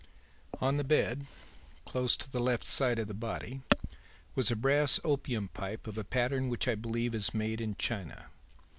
"'On the bed, close to the left side of the body, was a brass opium pipe of a pattern which I believe is made in China.